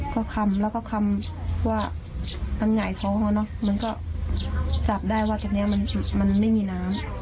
ก็คำแล้วก็คำว่ามันหงายท้องอ่ะเนอะมันก็จับได้ว่าตรงนี้มันไม่มีน้ำ